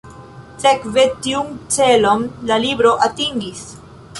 Sekve, tiun celon la libro atingis.